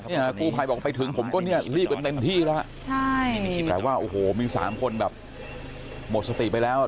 นี่ค่ะกู้ไพบอกไปถึงผมก็รีบเป็นเต็มที่แล้ว